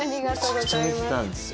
めちゃくちゃ見てたんです。